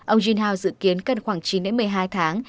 ông junhao dự kiến cần khoảng chín một mươi hai tháng